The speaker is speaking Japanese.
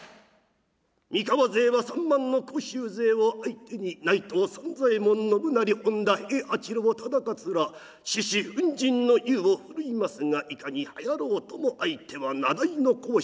三河勢は３万の甲州勢を相手に内藤三左衛門信成本多平八郎忠勝ら獅子奮迅の勇を奮いますがいかにはやろうとも相手は名代の甲州の大軍。